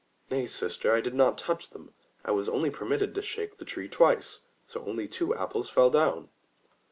"Nay, sister, I did not touch them. I was only permitted to shake the tree twice, so only two apples fell down."